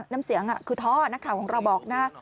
น้ำเสียงคือท่อนักข่าวของเราบอกนะ